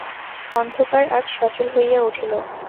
অন্ধকার আজ সচল হইয়া উঠিল।